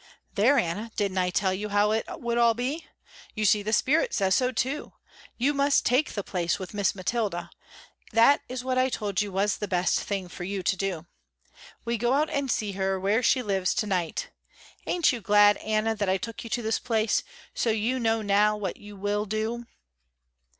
"There Anna didn't I tell you how it would all be? You see the spirit says so too. You must take the place with Miss Mathilda, that is what I told you was the best thing for you to do. We go out and see her where she lives to night. Ain't you glad, Anna, that I took you to this place, so you know now what you will do?"